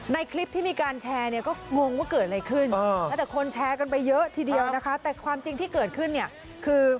ในคลิปที่มีการแชร์เนี่ยก็งงว่าเกิดอะไรขึ้นแล้วแต่คนแชร์กันไปเยอะทีเดียวนะคะแต่ความจริงที่เกิดขึ้นเนี่ยคือ